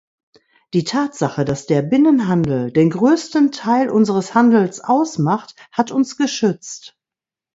Die Tatsache, dass der Binnenhandel den größten Teil unseres Handels ausmacht, hat uns geschützt.